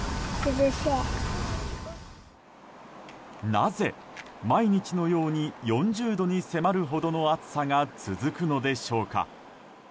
なぜ、毎日のように４０度に迫るほどの暑さが続くのでしょうか。